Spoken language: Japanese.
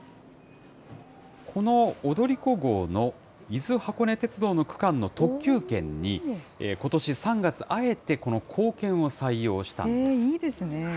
この踊り子号の伊豆箱根鉄道の区間の特急券に、ことし３月、いいですね。